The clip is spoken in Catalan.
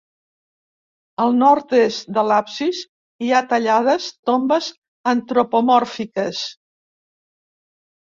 Al nord-est de l'absis, hi ha tallades tombes antropomòrfiques.